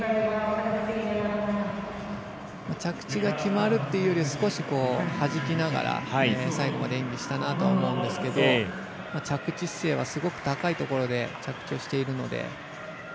着地が決まるっていうより少しはじきながら最後まで演技したなと思うんですけど着地姿勢はすごく高いところで着地をしているので。